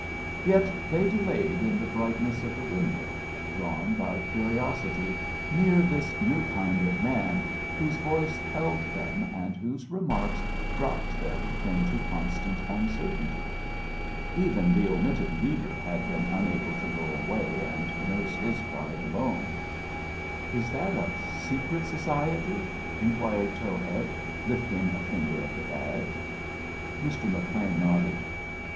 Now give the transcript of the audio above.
Yet they delayed in the brightness of the window, drawn by curiosity near this new kind of man whose voice held them and whose remarks dropped them into constant uncertainty. Even the omitted leader had been unable to go away and nurse his pride alone. "Is that a secret society?" inquired Towhead, lifting a finger at the badge. Mr. McLean nodded.